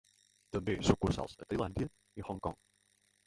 També sucursals a Tailàndia i Hong Kong.